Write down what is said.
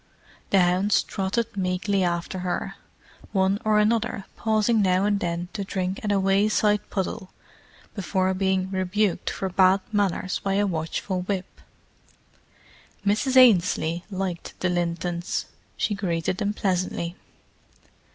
The hounds trotted meekly after her, one or another pausing now and then to drink at a wayside puddle before being rebuked for bad manners by a watchful whip. Mrs. Ainslie liked the Lintons; she greeted them pleasantly.